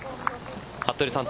服部さん